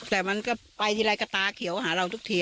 แต่มันก็ไปทีไรก็ตาเขียวหาเราทุกที